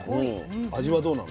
味はどうなの？